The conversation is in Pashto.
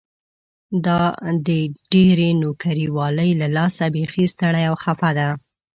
دا د ډېرې نوکري والۍ له لاسه بيخي ستړې او خپه ده.